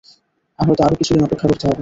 হয়তো আরো কিছুদিন অপেক্ষা করতে হবে।